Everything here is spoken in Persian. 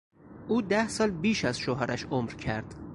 او ده سال بیش از شوهرش عمر کرد.